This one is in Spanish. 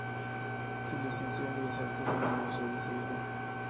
Se licenció en Bellas Artes en la Universidad de Sevilla.